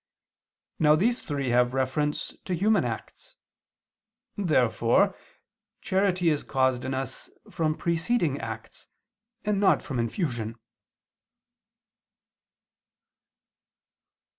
Now these three have reference to human acts. Therefore charity is caused in us from preceding acts, and not from infusion.